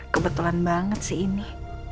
kebetulan banget sih ini